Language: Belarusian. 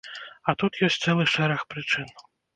А тут ёсць цэлы шэраг прычын.